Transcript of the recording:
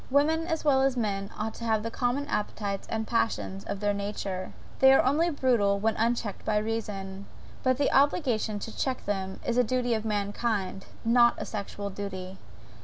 Women as well as men ought to have the common appetites and passions of their nature, they are only brutal when unchecked by reason: but the obligation to check them is the duty of mankind, not a sexual duty.